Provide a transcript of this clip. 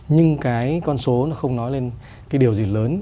nhưng cái con số nó không nói lên cái điều gì lớn